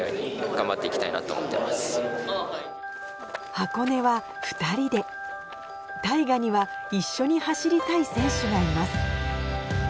箱根は２人で大翔には一緒に走りたい選手がいます